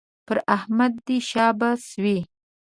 پر احمد دې شاباس وي